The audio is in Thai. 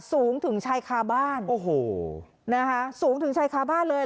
สูงถึงชายคาบ้านโอ้โหนะคะสูงถึงชายคาบ้านเลย